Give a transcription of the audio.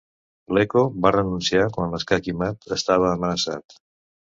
Leko va renunciar quan l'escac i mat estava amenaçat.